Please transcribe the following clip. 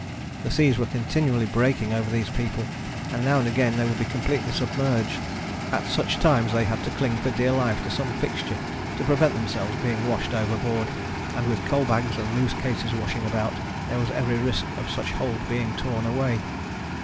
The seas were continually breaking over these people and now and again they would be completely submerged. At such times they had to cling for dear life to some fixture to prevent themselves being washed overboard, and with coal bags and loose cases washing about, there was every risk of such hold being torn away.